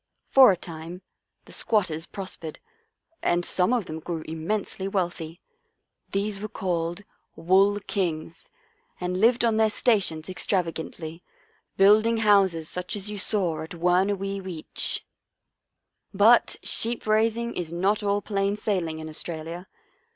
For a time the squat ters prospered and some of them grew im mensely wealthy. These were called c Wool Kings ' and lived on their stations extravagantly, building houses such as you saw at Wuurna wee weetch. " But sheep raising is not all plain sailing in Australia.